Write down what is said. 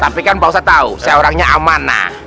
tapi kan bapak ustad tau saya orangnya amanah